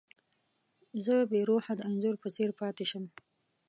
زه بې روحه د انځور په څېر پاتې شم.